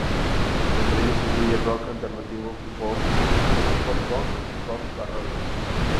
Entre ellos se incluyen rock alternativo, pop punk y pop barroco.